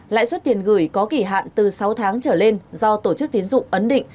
lãi suất tiền gửi có kỳ hạn từ sáu tháng trở lên do tổ chức tiến dụng ấn định